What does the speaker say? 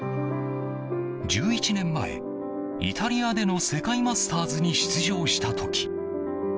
１１年前、イタリアでの世界マスターズに出場した時。